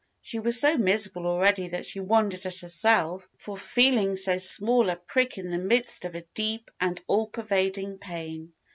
She was so miserable already that she wondered at herself for feeling so small a prick in the midst of a deep and all pervading pain.